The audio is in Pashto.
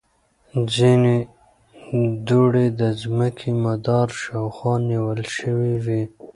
ځینې دوړې د ځمکې مدار شاوخوا نیول شوې وي.